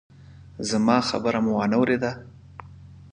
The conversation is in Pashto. زما خبره مو وانه ورېده!